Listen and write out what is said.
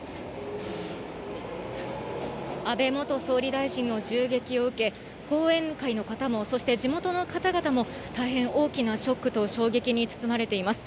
安倍元総理大臣の銃撃を受け、後援会の方も、そして地元の方々も大変大きなショックと衝撃に包まれています。